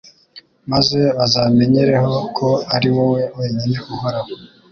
maze bazamenyereho ko ari wowe wenyine Uhoraho